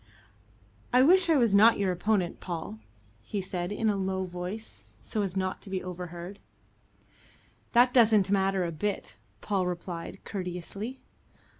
"I wish I were not your opponent, Paul," said he in a low voice, so as not to be overheard. "That doesn't matter a bit," Paul replied courteously.